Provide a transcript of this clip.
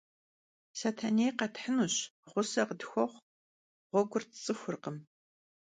Setenêy khethınuş, ğuse khıtxuexhu, ğuegur tts'ıxurkhım.